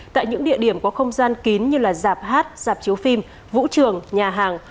tại những địa điểm có không gian kín như là giạp hát giạp chiếu phim vũ trường nhà hàng